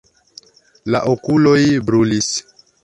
La okuloj brulis.